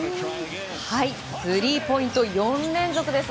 スリーポイント４連続です。